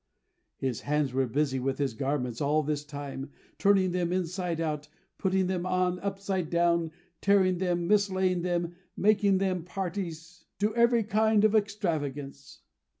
His hands were busy with his garments all this time; turning them inside out, putting them on upside down, tearing them, mislaying them, making them parties to every kind of extravagance.